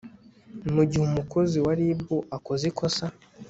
mu gihe umukozi wa rib akoze ikosa